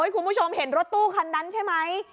คุณผู้ชมเห็นรถตู้คันนั้นใช่ไหม